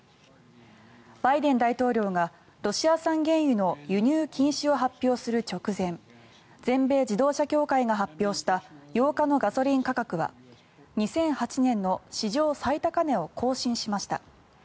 バイデン大統領がロシア産原油の輸入禁止を発表する直前全米自動車協会が発表した８日のガソリン価格は２００８年の史上最高値を更新しました。